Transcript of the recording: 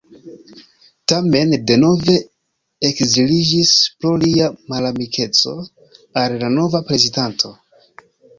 Tamen, li denove ekziliĝis pro lia malamikeco al la nova prezidanto.